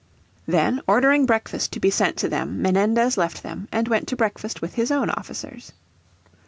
Then ordering breakfast to be sent to them Menendez left them, and went to breakfast with his own officers.